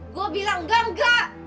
gua bilang enggak enggak